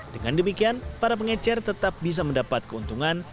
dengan demikian para pengecer tetap bisa mendapat keuntungan